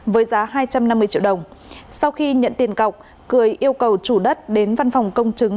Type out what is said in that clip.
với giá hai trăm năm mươi triệu đồng sau khi nhận tiền cọc cười yêu cầu chủ đất đến văn phòng công chứng